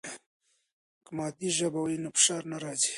که مادي ژبه وي نو فشار نه راځي.